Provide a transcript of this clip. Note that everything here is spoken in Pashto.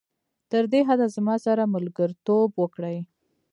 تر دې حده زما سره ملګرتوب وکړي.